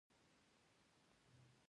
دلته په تونل کې شريف پروفيسر ته مخ واړوه.